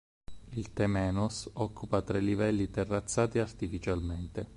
Il temenos occupa tre livelli terrazzati artificialmente.